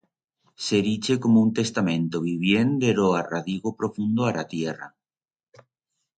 S'eriche como un testamento vivient de ro arradigo profundo a ra tierra.